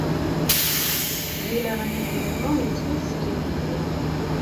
Ɣileɣ anagraw-a yettwaser ilindi.